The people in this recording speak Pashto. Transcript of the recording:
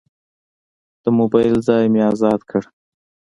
د موبایل ځای مې ازاد کړ.